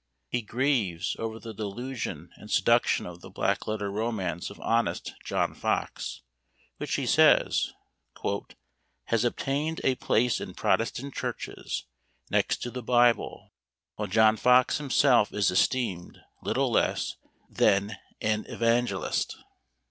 He grieves over the delusion and seduction of the black letter romance of honest John Fox, which he says, "has obtained a place in protestant churches next to the Bible, while John Fox himself is esteemed little less than an evangelist."